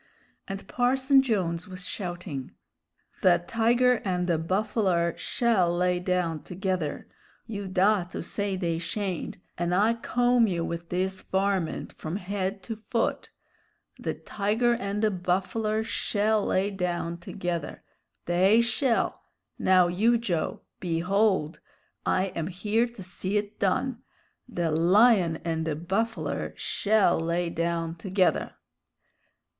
And Parson Jones was shouting: "The tiger and the buffler shell lay down together! You dah to say they shayn't and I'll comb you with this varmint from head to foot! The tiger and the buffler shell lay down together. They shell! Now, you, Joe! Behold! I am here to see it done. The lion and the buffler shell lay down together!"